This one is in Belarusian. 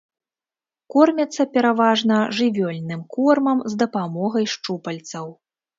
Кормяцца пераважна жывёльным кормам, з дапамогай шчупальцаў.